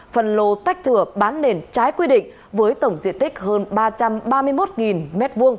phần lô tách thừa bán nền trái quy định với tổng diện tích hơn ba trăm ba mươi một m hai